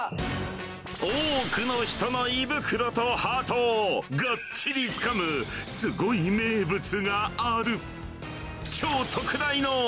多くの人の胃袋とハートをがっちりつかむすごい名物がある。